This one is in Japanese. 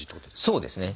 そうですね。